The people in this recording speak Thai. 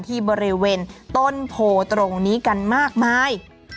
ที่บริเวณต้นโพตรงนี้กันมากมาย